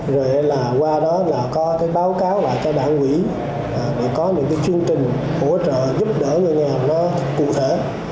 rồi qua đó có báo cáo và đảng quỹ để có những chương trình hỗ trợ giúp đỡ người nghèo cụ thể